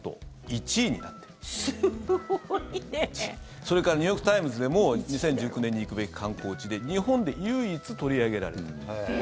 それからニューヨーク・タイムズでも２０１９年に行くべき観光地で日本で唯一取り上げられた。